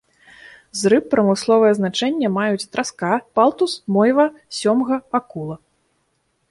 З рыб прамысловае значэнне маюць траска, палтус, мойва, сёмга, акула.